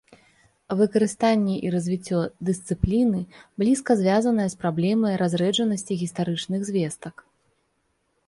Выкарыстанне і развіццё дысцыпліны блізка звязанае з праблемай разрэджанасці гістарычных звестак.